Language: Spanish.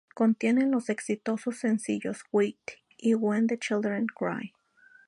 Contiene los exitosos sencillos "Wait" y "When the Children Cry".